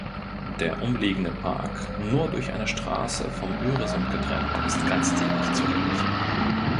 Der umliegende Park, nur durch eine Straße vom Öresund getrennt, ist ganztägig zugänglich.